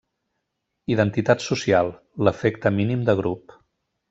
Identitat Social: l'efecte mínim de grup.